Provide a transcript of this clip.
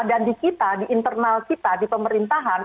dan di kita di internal kita di pemerintahan